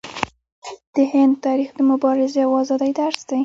د هند تاریخ د مبارزې او ازادۍ درس دی.